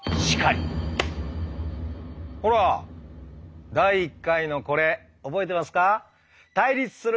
ほら第１回のこれ覚えてますか？